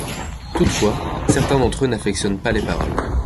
Toutefois, certains d’entre eux n’affectionnent pas les paroles.